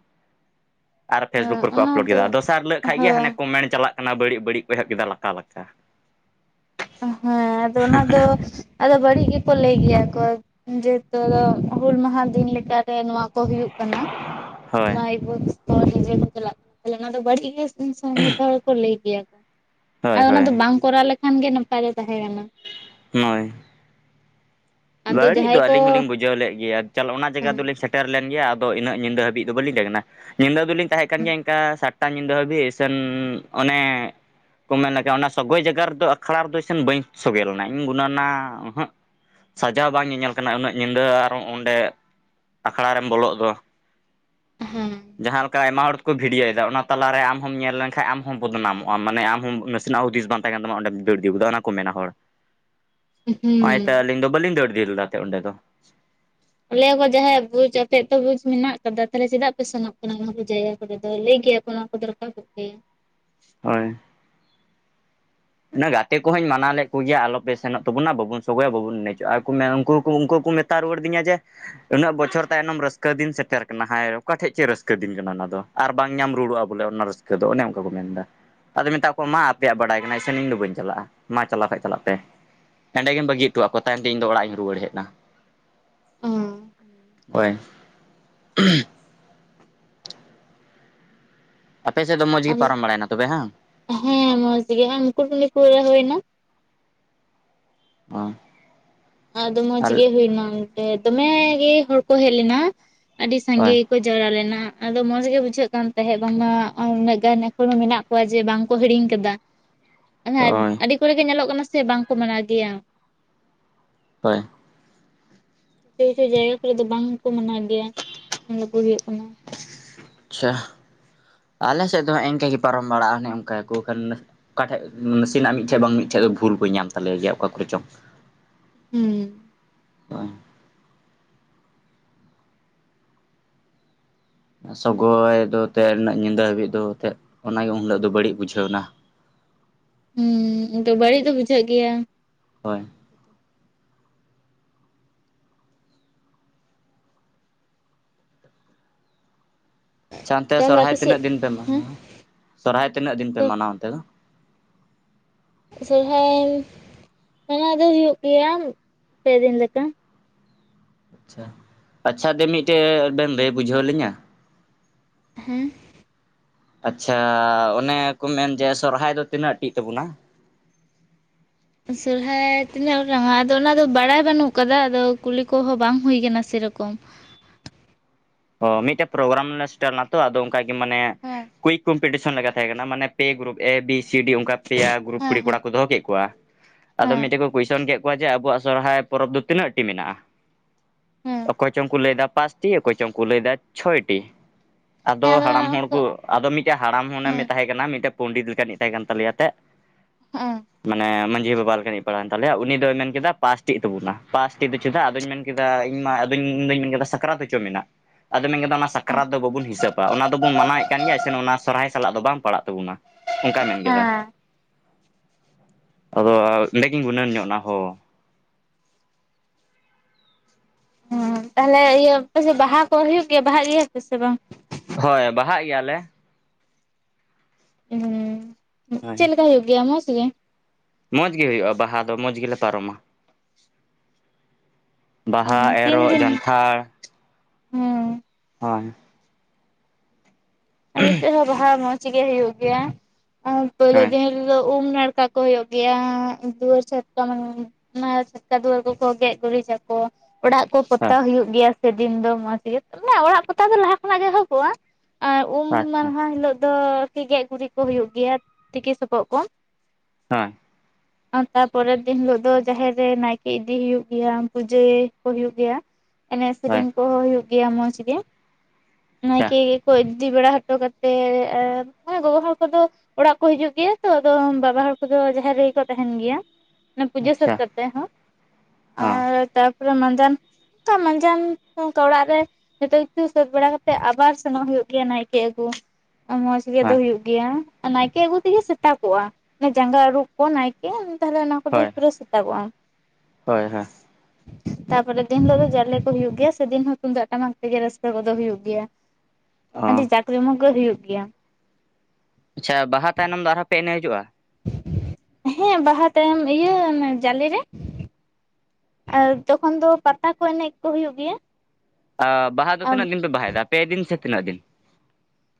[SPEAKER 2] ᱟᱨ ᱯᱷᱮᱥᱵᱩᱠ
[SPEAKER 1] ᱦᱮᱸ
[SPEAKER 2] ᱠᱚᱨᱮᱠᱚ
[SPEAKER 1] ᱚᱱᱟ
[SPEAKER 2] ᱟᱯᱞᱳᱰ
[SPEAKER 1] ᱫᱚ
[SPEAKER 2] ᱠᱮᱫᱟ ᱫᱚᱥᱟᱨ ᱦᱤᱞᱟᱹᱜ ᱠᱷᱟᱭ ᱜᱮ ᱦᱟᱱᱮ
[SPEAKER 1] ᱦᱮᱸ
[SPEAKER 2] ᱠᱚᱢᱮᱱᱴ ᱪᱟᱞᱟᱜ ᱠᱟᱱᱟ ᱵᱟᱹᱲᱤᱜ ᱵᱟᱹᱲᱤᱜ ᱠᱚ ᱮᱦᱚᱵ ᱠᱮᱫᱟ ᱞᱟᱠᱟ ᱞᱟᱠᱟ
[SPEAKER 1] ᱦᱮᱸ ᱟᱫᱚ ᱚᱱᱟ ᱫᱚ ᱟᱫᱚ ᱵᱟᱹᱲᱤᱜ ᱜᱮᱠᱚ ᱞᱟᱹᱭ ᱜᱮᱭᱟ ᱠᱚ ᱡᱮᱦᱮᱛᱚ ᱫᱚ ᱦᱩᱞ ᱢᱟᱦᱟ ᱫᱤᱱᱞᱮᱠᱟᱨᱮ ᱱᱚᱣᱟ ᱠᱚ ᱦᱩᱭᱩᱜ ᱠᱟᱱᱟ
[SPEAKER 2] ᱦᱳᱭ
[SPEAKER 1] ᱢᱟᱭᱤᱠ ᱵᱚ ᱠᱚ ᱰᱤᱡᱮ ᱠᱚ ᱪᱟᱞᱟᱜ ᱠᱟᱱᱟ ᱛᱟᱦᱚᱞᱮ ᱱᱚᱣᱟ ᱫᱚ ᱵᱟᱹᱲᱤᱜ ᱩᱱᱥᱚᱢ ᱡᱷᱚᱛᱚ ᱦᱚᱲ ᱠᱚ ᱞᱟᱹᱭ ᱜᱮᱭᱟ ᱠᱚ
[SPEAKER 2] ᱦᱳᱭ
[SPEAKER 1] ᱟᱫᱚ ᱚᱱᱟ
[SPEAKER 2] ᱦᱳᱭ
[SPEAKER 1] ᱫᱚ ᱵᱟᱝ ᱠᱚᱨᱟᱣ ᱞᱮᱠᱷᱟᱱ ᱜᱮ ᱱᱟᱯᱟᱭ ᱫᱚ ᱛᱟᱦᱮᱸ ᱠᱟᱱᱟ᱾
[SPEAKER 2] ᱱᱚᱭ᱾
[SPEAKER 1] ᱟᱫᱚ
[SPEAKER 2] ᱵᱟᱹᱲᱤᱡ
[SPEAKER 1] ᱡᱟᱦᱟᱸᱭ
[SPEAKER 2] ᱫᱚ
[SPEAKER 1] ᱠᱚ
[SPEAKER 2] ᱟᱹᱞᱤᱧ ᱦᱚᱞᱤᱧ ᱵᱩᱡᱷᱟᱹᱣ ᱞᱮᱫ ᱜᱮᱭᱟ ᱪᱚᱞ ᱚᱱᱟ ᱡᱟᱭᱜᱟ
[SPEAKER 1] ᱦᱮᱸ
[SPEAKER 2] ᱫᱚᱞᱤᱧ ᱥᱮ ᱥᱮᱴᱮᱨ ᱞᱮᱱ ᱜᱮᱭᱟ ᱟᱫᱚ ᱤᱱᱟᱹᱜ ᱧᱤᱫᱟᱹ ᱦᱟᱵᱤᱡ ᱫᱚ ᱵᱟᱹᱞᱤᱧ ᱛᱟᱦᱮᱸ ᱠᱟᱱᱟ᱾ ᱧᱤᱫᱟᱹ ᱫᱚᱞᱤᱧ ᱛᱟᱦᱮᱸ ᱠᱟᱱ ᱜᱮᱭᱟ ᱮᱝᱠᱟ ᱥᱟᱛᱴᱟ ᱧᱤᱫᱟᱹ ᱦᱟᱹᱵᱤᱡ ᱥᱮᱱ ᱚᱱᱮ ᱠᱚ ᱢᱮᱱᱞᱮ ᱚᱱᱟ ᱥᱚᱜᱚᱭ ᱡᱟᱜᱟ ᱨᱮᱫᱚ ᱟᱠᱷᱲᱟ ᱨᱮᱫᱚ ᱥᱮᱱ ᱵᱟᱹᱧ ᱥᱚᱜᱮ ᱞᱮᱱᱟ ᱤᱧ ᱜᱩᱱᱟᱹᱱᱟ ᱚᱸᱦᱟᱸᱜ ᱥᱟᱡᱟᱣ ᱵᱟᱝ ᱧᱮᱧᱮᱞ ᱠᱟᱱᱟ ᱩᱱᱟᱹᱜ ᱧᱤᱫᱟᱹ ᱟᱨ ᱚᱸᱰᱮ ᱟᱠᱷᱲᱟᱨᱮᱢ ᱵᱚᱞᱚᱜ ᱫᱚ᱾
[SPEAKER 1] ᱦᱮᱸ
[SPEAKER 2] ᱡᱟᱦᱟᱸ ᱞᱮᱠᱟ ᱟᱭᱢᱟ ᱦᱚᱲᱠᱚ ᱵᱷᱤᱰᱤᱭᱳᱣᱮᱫᱟ ᱚᱱᱟ ᱛᱟᱞᱟᱨᱮ ᱟᱢ ᱦᱚᱸᱢ ᱧᱮᱞ ᱞᱮᱱᱠᱷᱟᱱ ᱟᱢ ᱦᱚᱸ ᱵᱚᱫᱽᱱᱟᱢᱚᱜᱼᱟ ᱢᱟᱱᱮ ᱟᱢ ᱦᱚᱸ ᱱᱟᱥᱤᱱᱟᱜ ᱦᱩᱫᱤᱥ ᱵᱟᱝ ᱠᱟᱱ ᱛᱟᱢᱟ ᱚᱸᱰᱮ ᱫᱟᱹᱲ ᱤᱫᱤ ᱠᱟᱣᱫᱟ ᱚᱱᱟ ᱠᱚ ᱢᱮᱱᱟ ᱦᱚᱲ᱾
[SPEAKER 1] [inaudible]
[SPEAKER 2] ᱦᱚᱸ-ᱚᱭ ᱛᱚ ᱟᱹᱞᱤᱧ ᱫᱚ ᱵᱟᱹᱞᱤᱧ ᱫᱟᱹᱲ ᱤᱫᱤᱞᱮᱫᱟ ᱛᱚ ᱚᱸᱰᱮ ᱫᱚ᱾
[SPEAKER 1] ᱟᱞᱮᱭᱟ ᱠᱚ ᱡᱟᱦᱟᱸᱭᱟᱜ ᱵᱩᱡᱽ ᱟᱯᱮ ᱛᱚ ᱵᱩᱡᱽ ᱢᱮᱱᱟᱜ ᱟᱠᱟᱫᱟ ᱛᱟᱦᱚᱞᱮ ᱪᱮᱫᱟᱜ ᱯᱮ ᱥᱮᱱᱚᱜ ᱠᱟᱱᱟ ᱚᱱᱟ ᱠᱚ ᱡᱟᱭᱜᱟ ᱠᱚᱨᱮᱫᱚ ᱞᱟᱹᱭ ᱜᱮᱭᱟᱠᱚ᱾ [unintelligible] ᱠᱚᱠᱮ
[SPEAKER 2] ᱦᱳᱭ ᱤᱱᱟᱹ ᱜᱟᱛᱮ ᱠᱚᱦᱚᱸᱧ ᱢᱟᱱᱟᱣ ᱞᱮᱫ ᱠᱚᱜᱮᱭᱟ ᱟᱞᱚᱯᱮ ᱥᱮᱱᱚᱜ ᱛᱟᱵᱚᱱᱟ ᱵᱟᱵᱚᱱ ᱥᱚᱜᱚᱭᱟ ᱵᱟᱵᱚᱱ ᱮᱱᱮᱡᱚᱜᱼᱟ ᱟᱨ ᱩᱱᱠᱩ ᱠᱩ ᱠᱚ ᱢᱮ ᱢᱮᱛᱟ ᱨᱩᱣᱟᱹᱲ ᱫᱤᱧᱟ ᱡᱮ ᱩᱱᱟᱹᱜ ᱵᱚᱪᱷᱚᱨ ᱛᱟᱭᱱᱚᱢ ᱨᱟᱹᱥᱠᱟᱹ ᱫᱤᱱ ᱥᱮᱴᱮᱨ ᱠᱟᱱᱟ ᱦᱟᱭ ᱚᱠᱟᱴᱷᱮᱜ ᱪᱮ ᱨᱟᱹᱥᱠᱟᱹ ᱫᱤᱱ ᱠᱟᱱᱟ ᱚᱱᱟ ᱫᱚ᱾ ᱟᱨ ᱵᱟᱝ ᱧᱟᱢ ᱨᱩᱣᱟᱹᱲᱚᱜᱼᱟ ᱵᱚᱞᱮ ᱚᱱᱟ ᱨᱟᱹᱥᱠᱟᱹ ᱫᱚ ᱚᱱᱮ ᱚᱱᱠᱟ ᱠᱚ ᱢᱮᱱᱫᱟ ᱟᱫᱚ ᱢᱮᱛᱟᱜ ᱠᱚᱣᱟ ᱢᱟ ᱟᱯᱮᱭᱟᱜ ᱵᱟᱰᱟᱭ ᱠᱟᱱᱟ᱾ ᱥᱮᱱᱤᱧ ᱫᱚ ᱵᱟᱹᱧ ᱪᱟᱞᱟᱜᱼᱟ ᱢᱟ ᱪᱟᱞᱟᱣ ᱠᱷᱟᱭᱜ ᱪᱟᱞᱟᱜ ᱯᱮ᱾ ᱮᱸᱰᱮ ᱜᱮᱢ ᱵᱟᱹᱜᱤ ᱦᱚᱴᱚᱣᱟᱜ ᱠᱚ ᱛᱟᱭᱚᱢᱛᱮ ᱤᱧ ᱫᱚ ᱚᱲᱟᱜ ᱤᱧ ᱨᱩᱣᱟᱹᱲ ᱦᱮᱜᱱᱟ᱾ ᱚᱭ [unintelligible] ᱟᱯᱮ ᱥᱮᱫ ᱫᱚ ᱢᱚᱡᱽ ᱜᱮ ᱯᱟᱨᱚᱢ ᱵᱟᱲᱟᱭᱱᱟ ᱛᱚᱵᱮ ᱦᱟᱝ?
[SPEAKER 1] ᱦᱮᱸ ᱢᱚᱸᱡᱽ ᱜᱮ ᱱᱤᱛᱚᱜ ᱜᱮ ᱞᱮ ᱱᱤᱛᱚᱜ [unintelligible] ᱦᱩᱭᱱᱟ ᱾
[SPEAKER 2] ᱚ
[SPEAKER 1] ᱟᱫᱚ ᱢᱚᱸᱡᱽ ᱜᱮ ᱦᱩᱭᱱᱟ ᱫᱚᱢᱮᱻᱻ ᱜᱮ ᱦᱚᱲ ᱠᱚ ᱦᱮᱡ ᱞᱮᱱᱟ ᱟᱹᱰᱤ ᱥᱟᱸᱜᱮ
[SPEAKER 2] ᱦᱳᱭ
[SPEAKER 1] ᱾ ᱠᱚ ᱡᱟᱣᱨᱟ ᱞᱮᱱᱟ ᱟᱫᱚ ᱢᱚᱡᱽ ᱜᱮ ᱵᱩᱡᱷᱟᱹᱜ ᱠᱟᱱ ᱛᱟᱦᱮᱸᱫ ᱵᱟᱝᱢᱟ ᱩᱱᱟᱹᱜ ᱜᱟᱱ ᱮᱠᱷᱳᱚᱱᱳ ᱢᱮᱱᱟᱜ ᱠᱚᱣᱟ ᱠᱚᱣᱟ ᱡᱮ ᱵᱟᱝ ᱠᱚ ᱦᱤᱲᱤᱧ ᱠᱟᱫᱟ
[SPEAKER 2] ᱦᱳᱭ
[SPEAKER 1] ᱟᱹᱰᱤ ᱠᱚᱨᱮ ᱜᱮ ᱧᱮᱞᱚᱜ ᱠᱟᱱᱟ ᱥᱮ ᱵᱟᱝ ᱠᱚ ᱢᱟᱱᱟᱣ ᱜᱮᱭᱟ
[SPEAKER 2] ᱦᱳᱭ
[SPEAKER 1] ᱠᱟᱹᱭ ᱠᱟᱹᱭ ᱡᱟᱭᱜᱟ ᱠᱚᱨᱮ ᱫᱚ ᱵᱟᱝᱠᱚ ᱢᱟᱱᱟᱣ ᱜᱮᱭᱟ ᱚᱱᱟ ᱠᱚ ᱦᱩᱭᱩᱜ ᱠᱟᱱᱟ
[SPEAKER 2] ᱟᱪᱪᱷᱟ ᱟᱞᱮ ᱥᱮᱫ ᱫᱚ ᱦᱟᱸᱜ ᱤᱱᱠᱟᱹ ᱜᱮ ᱯᱟᱨᱚᱢ ᱵᱟᱲᱟᱜᱼᱟ ᱚᱱᱮ ᱚᱱᱠᱟᱭᱟ ᱠᱚ ᱠᱷᱟᱱ ᱚᱠᱟᱴᱷᱮᱡ ᱱᱟᱥᱮᱱᱟᱜ ᱢᱤᱫᱴᱷᱮᱱ ᱵᱟᱝ ᱢᱤᱫᱴᱷᱮᱱ ᱫᱚ ᱵᱷᱩᱞ ᱠᱚ ᱧᱟᱢ ᱛᱟᱞᱮ ᱜᱮᱭᱟ ᱚᱠᱟ ᱠᱚᱨᱮ ᱪᱚᱝ ᱾
[SPEAKER 1] ᱦᱩᱸ
[SPEAKER 2] ᱦᱩᱸ ᱥᱚᱜᱚᱭ ᱫᱚ ᱛᱮᱱ ᱤᱱᱟᱹ ᱧᱤᱸᱫᱟᱹ ᱦᱟᱹᱵᱤᱡ ᱫᱚ ᱛᱮᱫ ᱚᱱᱟᱜᱮ ᱩᱱᱦᱤᱞᱟᱹᱜ ᱫᱚ ᱵᱟᱹᱲᱤᱡ ᱵᱩᱡᱷᱟᱹᱣ ᱱᱟ᱾
[SPEAKER 1] ᱦᱩᱸᱻ ᱟᱫᱚ ᱵᱟᱹᱲᱤᱡ ᱫᱚ ᱵᱩᱡᱷᱟᱹᱜ ᱜᱮᱭᱟ ᱾
[SPEAKER 2] ᱦᱳᱭ ᱟᱪᱪᱷᱟ ᱚᱱᱛᱮ
[SPEAKER 1] ᱛᱟᱦᱚᱞᱮ
[SPEAKER 2] ᱥᱚᱨᱦᱟᱭ
[SPEAKER 1] ᱟᱯᱮ ᱥᱮᱫ
[SPEAKER 2] ᱛᱤᱱᱟᱹᱜ ᱫᱤᱱ ᱯᱮ
[SPEAKER 1] ᱦᱮᱸ
[SPEAKER 2] ᱢᱟᱱᱟᱣᱟ ᱥᱚᱨᱦᱟᱭ ᱛᱤᱱᱟᱹᱜ ᱫᱤᱱ ᱯᱮ ᱢᱟᱱᱟᱣᱟ ᱚᱱᱛᱮ ᱫᱚ?
[SPEAKER 1] ᱥᱚᱨᱦᱟᱭ ᱢᱟᱱᱟᱣ ᱫᱚ ᱦᱩᱭᱩᱜ ᱜᱮᱭᱟ ᱯᱮᱫᱤᱱ ᱞᱮᱠᱟ ᱾
[SPEAKER 2] ᱟᱪᱪᱷᱟ ᱟᱪᱪᱷᱟ ᱫᱤ ᱢᱤᱫᱴᱮᱡ ᱵᱮᱱ ᱞᱟᱹᱭ ᱵᱩᱡᱷᱟᱹᱣ ᱞᱤᱧᱟᱹ?
[SPEAKER 1] ᱦᱮᱸ
[SPEAKER 2] ᱟᱪᱪᱷᱟ ᱚᱱᱮ ᱠᱚ ᱢᱮᱱ ᱡᱮ ᱥᱚᱨᱦᱟᱭ ᱫᱚ ᱛᱤᱱᱟᱹᱜ ᱴᱤᱜ ᱛᱟᱵᱚᱱᱟ?
[SPEAKER 1] ᱥᱚᱨᱦᱟᱭ ᱛᱤᱱᱟᱹᱜ ᱜᱚᱴᱟᱝᱟ ᱟᱫᱚ ᱚᱱᱟᱫᱚ ᱵᱟᱲᱟᱭ ᱵᱟᱹᱱᱩᱜ ᱠᱟᱫᱟ ᱟᱫᱚ ᱠᱩᱞᱤ ᱠᱚᱦᱚᱸ ᱵᱟᱝ ᱦᱩᱭ ᱟᱠᱟᱱᱟ ᱥᱮᱨᱚᱠᱚᱢ ᱾
[SPEAKER 2] ᱚ ᱢᱤᱫᱴᱮᱱ ᱯᱨᱳᱜᱨᱟᱢ ᱞᱮ ᱥᱮᱴᱟᱨ ᱞᱮᱱᱟ ᱛᱚ ᱟᱫᱚ ᱚᱱᱠᱟᱜᱮ ᱢᱟᱱᱮ
[SPEAKER 1] ᱦᱮᱸ
[SPEAKER 2] ᱠᱩᱭᱤᱠ ᱠᱚᱢᱯᱤᱴᱤᱥᱮᱱ ᱞᱮᱠᱟ ᱛᱟᱦᱮᱸ ᱠᱟᱱᱟ ᱢᱟᱱᱮ ᱯᱮ ᱜᱩᱨᱩᱯ ᱮ ᱵᱤ ᱥᱤ ᱰᱤ ᱚᱱᱠᱟ ᱯᱮᱭᱟ ᱜᱩᱨᱩᱯ
[SPEAKER 1] ᱦᱮᱸ
[SPEAKER 2] ᱠᱩᱲᱤ
[SPEAKER 1] ᱦᱮᱸ
[SPEAKER 2] ᱠᱚᱲᱟ ᱠᱚ ᱫᱚᱦᱚ ᱠᱮᱫ ᱠᱚᱣᱟ ᱟᱫᱚ
[SPEAKER 1] ᱦᱮᱸ
[SPEAKER 2] ᱢᱤᱫᱴᱮᱡ ᱠᱚ ᱠᱩᱥᱪᱮᱱ ᱠᱮᱫ ᱠᱚᱣᱟ ᱡᱮ ᱟᱵᱚᱣᱟᱜ ᱥᱚᱨᱦᱟᱭ ᱯᱚᱨᱚᱵᱽ ᱫᱚ ᱛᱤᱱᱟᱹᱜ ᱴᱤ ᱢᱮᱱᱟᱜᱼᱟ
[SPEAKER 1] ᱦᱮᱸ
[SPEAKER 2] ᱚᱠᱚᱭ ᱪᱚᱝ ᱠᱚ ᱞᱟᱹᱭᱫᱟ ᱯᱟᱸᱪᱴᱤ ᱚᱠᱚᱭ ᱪᱚᱝ ᱠᱚ ᱞᱟᱹᱭᱫᱟ ᱪᱷᱚᱭᱴᱤ
[SPEAKER 1] ᱦᱮᱸ
[SPEAKER 2] ᱟᱫᱚ ᱦᱟᱲᱟᱢ ᱦᱚᱲ ᱠᱚ
[SPEAKER 1] ᱦᱮᱸ
[SPEAKER 2] ᱟᱫᱚ ᱢᱤᱫᱴᱮᱱ ᱦᱟᱲᱟᱢ ᱦᱚᱱᱟᱢᱮᱸ ᱛᱟᱦᱮᱸ ᱠᱟᱱᱟ ᱢᱤᱫᱴᱮᱱ ᱯᱚᱱᱰᱤᱛ ᱞᱮᱠᱟᱱᱤᱡ ᱛᱟᱦᱮᱸ ᱠᱟᱱ ᱛᱟᱞᱮᱭᱟ ᱮᱱᱛᱮᱜ
[SPEAKER 1] ᱦᱮᱸᱻᱮᱸᱻ
[SPEAKER 2] ᱢᱟᱱᱮ ᱢᱟᱺᱡᱷᱤ ᱵᱟᱵᱟ ᱞᱮᱠᱟᱠᱤᱡ ᱯᱟᱲᱟᱣᱮᱱ ᱛᱟᱞᱮᱭᱟ ᱩᱱᱤ ᱫᱚᱭ ᱢᱮᱱ ᱠᱮᱫᱟ ᱯᱟᱥᱴᱤᱜ ᱛᱟᱵᱚᱱᱟ ᱯᱟᱥᱴᱤᱜ ᱫᱚ ᱪᱮᱫᱟᱜ ᱟᱫᱚᱧ ᱢᱮᱱ ᱠᱮᱫ ᱠᱮᱫᱟ ᱤᱧ ᱢᱟ ᱟᱫᱚᱧ ᱤᱫᱚᱧ ᱢᱮᱱ ᱠᱮᱫᱟ ᱥᱟᱠᱨᱟᱛ ᱦᱚᱪᱚ ᱢᱮᱱᱟᱜ ᱟᱫᱚ ᱢᱮᱱ ᱠᱮᱫᱟ ᱚᱱᱟ
[SPEAKER 1] ᱦᱮᱸ
[SPEAKER 2] ᱥᱟᱠᱨᱟᱛ ᱫᱚ ᱵᱟᱵᱚᱱ ᱦᱤᱥᱟᱹᱵᱽᱼᱟ ᱚᱱᱟ ᱫᱚᱵᱚᱱ ᱢᱟᱱᱟᱭᱮ ᱠᱟᱱ ᱜᱮᱭᱟ ᱥᱮ ᱚᱱᱟ ᱥᱚᱨᱦᱟᱭ ᱥᱟᱞᱟᱜ ᱫᱚ ᱵᱟᱝ ᱯᱟᱲᱟᱜ ᱛᱟᱵᱚᱱᱟ ᱚᱱᱠᱟᱭ ᱢᱮᱱ ᱠᱮᱫᱟ
[SPEAKER 1] ᱦᱮᱸ
[SPEAKER 2] ᱟᱫᱚ ᱟᱨ ᱚᱸᱰᱮ ᱜᱤᱧ ᱜᱩᱱᱟᱹᱱ ᱧᱚᱜ ᱱᱟ ᱦᱚ
[SPEAKER 1] ᱛᱟᱦᱞᱮ ᱤᱭᱟᱹ ᱟᱯᱮᱥᱮ ᱵᱟᱦᱟ ᱠᱚ ᱦᱩᱭᱩᱜ ᱜᱮᱭᱟ ᱵᱟᱦᱟ ᱜᱤᱭᱟᱹ ᱯᱮᱥᱮ ᱵᱟᱝ
[SPEAKER 2] ᱦᱳᱭ ᱵᱟᱦᱟᱜ ᱜᱮᱭᱟᱞᱮ
[SPEAKER 1] ᱦᱩᱸ ᱪᱮᱫ
[SPEAKER 2] ᱦᱳᱭ
[SPEAKER 1] ᱞᱮᱠᱟ ᱦᱩᱭᱩᱜ ᱜᱮᱭᱟ ᱢᱚᱸᱪ ᱜᱮ
[SPEAKER 2] ᱢᱚᱸᱡᱽ ᱜᱮ ᱦᱩᱭᱩᱜᱼᱟ ᱵᱟᱦᱟ ᱫᱚ ᱢᱚᱸᱡᱽ ᱜᱮᱞᱮ ᱯᱟᱨᱚᱢᱟ ᱵᱟᱦᱟ
[SPEAKER 1] ᱛᱤᱱ
[SPEAKER 2] ᱮᱨᱚᱜ
[SPEAKER 1] ᱫᱤᱱ?
[SPEAKER 2] ᱡᱟᱱᱛᱷᱟᱲ
[SPEAKER 1] ᱦᱮᱸ
[SPEAKER 2] ᱦᱳᱸᱭ
[SPEAKER 1] ᱟᱞᱮ ᱥᱮᱜ ᱦᱚᱸ ᱵᱟᱦᱟ ᱢᱚᱸᱡᱽ ᱜᱮ ᱦᱩᱭᱩᱜ ᱜᱮᱭᱟ ᱯᱳᱭᱞᱳ
[SPEAKER 2] ᱦᱳᱭ
[SPEAKER 1] ᱫᱤᱱ ᱨᱮᱫᱚ ᱩᱢ ᱱᱟᱲᱠᱟ ᱠᱚ ᱦᱩᱭᱩᱜ ᱜᱮᱭᱟ ᱫᱩᱣᱟᱹᱨ ᱪᱷᱟᱴᱠᱟ ᱢᱟᱱᱮ ᱪᱷᱟᱴᱠᱟ ᱫᱩᱣᱟᱹᱨ ᱠᱚᱠᱚ ᱜᱮᱡ ᱜᱩᱨᱤᱡᱟᱠᱚ ᱚᱲᱟᱜ ᱠᱚ
[SPEAKER 2] ᱦᱳᱭ
[SPEAKER 1] ᱯᱚᱛᱟᱣ ᱦᱩᱭᱩᱜ ᱜᱮᱭᱟ ᱥᱮ ᱫᱤᱱ ᱫᱚ ᱢᱚᱸᱡᱽ ᱜᱮ ᱢᱟᱱᱮ ᱚᱲᱟᱜ ᱯᱚᱛᱟᱣ ᱫᱚ ᱞᱟᱦᱟ ᱠᱷᱚᱱᱟᱜ ᱜᱮ ᱮᱦᱚᱵᱚᱜ-ᱟ ᱟᱨ ᱩᱢ
[SPEAKER 2] ᱟᱪᱪᱷᱟ
[SPEAKER 1] ᱢᱟᱦᱟ ᱦᱤᱞᱳᱜ ᱫᱚ ᱠᱤ ᱜᱮᱡ ᱜᱩᱨᱤᱡ ᱠᱚ ᱦᱩᱭᱩᱜ ᱜᱮᱭᱟ ᱛᱤᱠᱤ ᱥᱚᱵᱚᱫ ᱠᱚ
[SPEAKER 2] ᱦᱮᱸ
[SPEAKER 1] ᱛᱟᱨᱯᱚᱨᱮ ᱫᱤᱱ ᱦᱤᱞᱳᱜ ᱫᱚ ᱡᱟᱦᱮᱨ ᱨᱮ ᱱᱟᱭᱠᱮ ᱤᱫᱤ ᱦᱩᱭᱩᱜ ᱜᱮᱭᱟ ᱯᱩᱡᱟᱹ ᱠᱚ ᱦᱩᱭᱩᱜ ᱜᱮᱭᱟ᱾ ᱮᱱᱮᱡ
[SPEAKER 2] ᱦᱳᱭ
[SPEAKER 1] ᱥᱮᱨᱮᱧ ᱠᱚᱦᱚᱸ ᱦᱩᱭᱩᱜ ᱜᱮᱭᱟ ᱢᱚᱸᱡᱽ ᱜᱮ,
[SPEAKER 2] ᱟᱪᱪᱷᱟ
[SPEAKER 1] ᱱᱟᱭᱠᱮ ᱤᱫᱤ ᱵᱟᱲᱟ ᱦᱚᱴᱚ ᱠᱟᱛᱮᱫ ᱟᱨ ᱜᱚᱜᱚ ᱦᱚᱲ ᱠᱚᱫᱚ ᱚᱲᱟᱜ ᱠᱚ ᱦᱤᱡᱩᱜ ᱜᱮᱭᱟ ᱛᱚ, ᱟᱫᱚ ᱵᱟᱵᱟ ᱦᱚᱲ ᱠᱚᱫᱚ ᱡᱟᱦᱮᱨ ᱨᱮᱜᱮ ᱠᱚ ᱛᱟᱦᱮᱱ ᱜᱮᱭᱟ᱾ ᱚᱱᱟ ᱯᱩᱡᱟᱹ ᱥᱟᱹᱛ
[SPEAKER 2] ᱟᱪᱪᱷᱟ
[SPEAKER 1] ᱠᱟᱛᱮ ᱦᱚᱸ
[SPEAKER 2] ᱚ
[SPEAKER 1] ᱟᱨ ᱯᱩᱨᱟᱹ ᱢᱟᱸᱡᱟᱱ ᱛᱚ ᱢᱟᱸᱡᱟᱱ ᱚᱱᱠᱟ ᱚᱲᱟᱜ ᱨᱮ ᱡᱚᱛᱚ ᱠᱤᱪᱷᱩ ᱥᱟᱹᱛ ᱵᱟᱲᱟ ᱠᱟᱛᱮᱫ ᱟᱵᱟᱨ ᱥᱮᱱᱚᱜ ᱦᱩᱭᱩᱜ ᱜᱮᱭᱟ ᱱᱟᱭᱠᱮ ᱟᱹᱜᱩ ᱢᱚᱸᱡ ᱜᱮ ᱫᱚ
[SPEAKER 2] ᱦᱳᱭ
[SPEAKER 1] ᱦᱩᱭᱩᱜ ᱜᱮᱭᱟ ᱱᱟᱭᱠᱮ ᱟᱹᱜᱩ ᱛᱤᱜᱤ ᱥᱮᱛᱟᱜᱚᱜᱼᱟ ᱡᱟᱸᱜᱟ ᱟᱹᱨᱩᱵᱽ ᱠᱚ ᱱᱟᱭᱠᱮ ᱛᱟᱦᱚᱞᱮ ᱚᱱᱟ
[SPEAKER 2] ᱦᱳᱭ
[SPEAKER 1] ᱯᱩᱨᱟᱹ ᱥᱮᱛᱟᱜᱚᱜᱼᱟ
[SPEAKER 2] ᱦᱳᱭ ᱦᱳᱭ
[SPEAKER 1] ᱛᱟᱯᱚᱨᱮ ᱫᱤᱱ ᱦᱤᱞᱳᱜ ᱜᱤ ᱡᱟᱞᱮ ᱠᱚ ᱦᱩᱭᱩᱜ ᱜᱮᱭᱟ ᱥᱮ ᱫᱤᱱ ᱦᱚᱸ ᱛᱩᱢᱫᱟᱜ ᱴᱟᱢᱟᱠ ᱛᱮᱜᱮ ᱨᱟᱹᱥᱠᱟᱹ ᱠᱚᱫᱚ ᱦᱩᱭᱩᱜ ᱜᱮᱭᱟ ᱟᱰᱤ
[SPEAKER 2] ᱚ
[SPEAKER 1] ᱡᱟᱠᱡᱚᱢᱚᱠ ᱜᱮ ᱦᱩᱭᱩᱜ ᱜᱮᱭᱟ
[SPEAKER 2] ᱟᱪᱪᱷᱟ ᱵᱟᱦᱟ ᱛᱟᱭᱱᱚᱢ ᱫᱚ ᱟᱨᱦᱚᱸ ᱯᱮ ᱮᱱᱮᱪ ᱦᱤᱡᱩᱜᱼᱟ
[SPEAKER 1] ᱦᱮᱸ ᱵᱟᱦᱟ ᱛᱟᱭᱚᱢ ᱤᱭᱟᱹ ᱡᱟᱞᱮ ᱨᱮ ᱟᱨ ᱛᱚᱠᱷᱚᱱ ᱫᱚ ᱯᱟᱛᱟ ᱠᱚ ᱮᱱᱮᱡ ᱠᱚ ᱦᱩᱭᱩᱜ ᱜᱮᱭᱟ
[SPEAKER 2] ᱟ... ᱵᱟᱦᱟ ᱫᱚ ᱛᱤᱱᱟᱹᱜ ᱫᱤᱱ
[SPEAKER 1] ᱦᱮᱸ
[SPEAKER 2] ᱯᱮ ᱵᱟᱦᱟᱭᱮᱫᱟ ᱯᱮ ᱫᱤᱱ ᱥᱮ ᱛᱤᱱᱟᱹᱜ ᱫᱤᱱ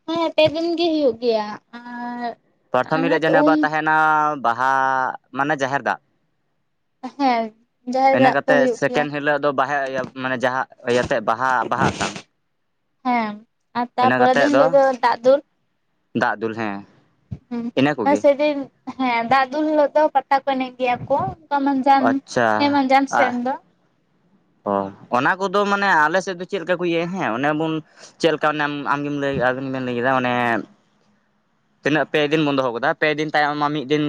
[SPEAKER 1] ᱦᱮᱸ ᱯᱮ ᱫᱤᱱ ᱜᱮ ᱦᱩᱭᱩᱜ ᱜᱮᱭᱟ ᱟᱨ
[SPEAKER 2] ᱯᱚᱨᱛᱷᱚᱢ
[SPEAKER 1] ᱚᱱᱟ
[SPEAKER 2] ᱦᱤᱞᱳᱜ
[SPEAKER 1] ᱛᱚ
[SPEAKER 2] ᱡᱮᱱᱚ
[SPEAKER 1] ᱩᱢ
[SPEAKER 2] ᱵᱟ ᱛᱟᱦᱮᱱᱟ ᱵᱟᱦᱟ ᱢᱟᱱᱮ ᱡᱟᱦᱮᱨ ᱫᱟᱜ᱾
[SPEAKER 1] ᱦᱮᱸ ᱡᱟᱦᱮᱨ
[SPEAKER 2] ᱤᱱᱟᱹ
[SPEAKER 1] ᱫᱟᱜ ᱠᱚ
[SPEAKER 2] ᱠᱟᱛᱮᱜ
[SPEAKER 1] ᱦᱩᱭᱩᱜ ᱜᱮᱭᱟ
[SPEAKER 2] ᱥᱮᱠᱮᱱᱰ ᱦᱤᱞᱳᱜ ᱫᱚ ᱵᱟᱦᱟ ᱤᱭᱟᱹ ᱢᱟᱱᱮ ᱡᱟᱦᱟᱸ ᱤᱭᱟᱹᱛᱮᱫ ᱵᱟᱦᱟ ᱵᱟᱦᱟ ᱟᱛᱟᱝ᱾
[SPEAKER 1] ᱦᱮᱸ ᱟᱨ
[SPEAKER 2] ᱤᱱᱟᱹ
[SPEAKER 1] ᱛᱟᱨᱯᱚᱨᱮ ᱫᱤᱱ
[SPEAKER 2] ᱠᱟᱛᱮᱫ
[SPEAKER 1] ᱦᱤᱞᱳᱜ ᱫᱚ ᱫᱟᱜ ᱫᱩᱞ᱾
[SPEAKER 2] ᱫᱟᱜ ᱫᱩᱞ ᱦᱮᱸ ᱤᱱᱟᱹ
[SPEAKER 1] ᱦᱮᱸ
[SPEAKER 2] ᱠᱚᱜᱮ
[SPEAKER 1] ᱥᱮᱫᱤᱱ ᱦᱮᱸ ᱫᱟᱜ ᱫᱩᱞ ᱦᱤᱞᱳᱜ ᱫᱚ ᱯᱟᱛᱟ ᱠᱚ ᱮᱱᱮᱡ ᱜᱮᱭᱟ ᱠᱚ ᱚᱠᱟ ᱢᱟᱱᱡᱟᱱ
[SPEAKER 2] ᱟᱪᱪᱷᱟ
[SPEAKER 1] ᱦᱮᱸᱢᱟᱱᱡᱟᱱ ᱥᱮᱱ ᱫᱚ
[SPEAKER 2] ᱚ ᱚᱱᱟ ᱠᱚᱫᱚ ᱢᱟᱱᱮ ᱟᱞᱮ ᱥᱮᱫ ᱫᱚ ᱪᱮᱫ ᱞᱮᱠᱟ ᱠᱚ ᱤᱭᱟᱹᱭᱟ ᱦᱮᱸ ᱚᱱᱮ ᱵᱚᱱ ᱪᱮᱫ ᱞᱮᱠᱟ ᱚᱱᱮᱢ ᱟᱢᱜᱮᱢ ᱞᱟᱹᱭ ᱟᱵᱮᱱ ᱵᱮᱱ ᱞᱟᱹᱭ ᱠᱮᱫᱟ ᱚᱱᱮ ᱛᱤᱱᱟᱹᱜ ᱯᱮ ᱫᱤᱱ ᱵᱚᱱ ᱫᱚᱦᱚ ᱠᱟᱫᱟ ᱯᱮ ᱫᱤᱱ ᱛᱟᱭᱚᱢ ᱢᱟ ᱢᱤᱫ ᱫᱤᱱ